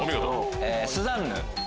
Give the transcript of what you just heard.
スザンヌ。